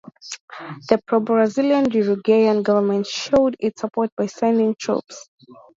The pro-Brazilian Uruguayan government showed its support by sending troops.